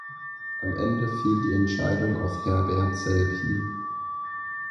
Am Ende fiel die Entscheidung auf Herbert Selpin.